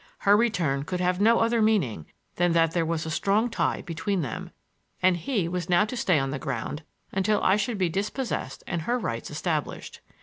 Her return could have no other meaning than that there was a strong tie between them, and he was now to stay on the ground until I should be dispossessed and her rights established.